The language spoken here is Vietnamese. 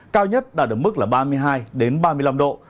cao nhất đã được mức là ba mươi hai ba mươi năm độ